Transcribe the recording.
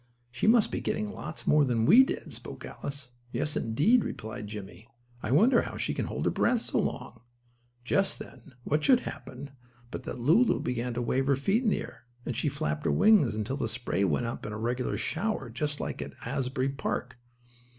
"She must be getting lots more than we did," spoke Alice. "Yes, indeed," replied Jimmie. "I wonder how she can hold her breath so long?" Just then, what should happen but that Lulu began to wave her feet in the air, and she flapped her wings until the spray went up in a regular shower, just like at Asbury Park.